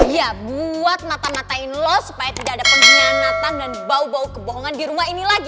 iya buat mata matain lo supaya tidak ada pengkhianatan dan bau bau kebohongan di rumah ini lagi